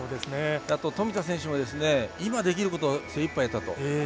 あと富田選手も今できることを精いっぱいやったと。